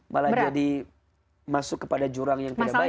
malah jadi masuk kepada jurang yang tidak baik